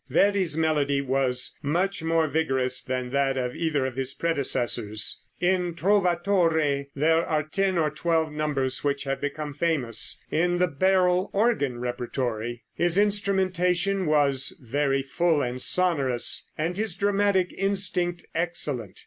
Verdi's melody was much more vigorous than that of either of his predecessors. In "Trovatore" there are ten or twelve numbers which have become famous in the barrel organ repertory. His instrumentation was very full and sonorous, and his dramatic instinct excellent.